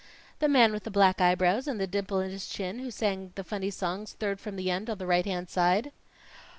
"The man with the black eyebrows and the dimple in his chin who sang the funny songs third from the end on the right hand side."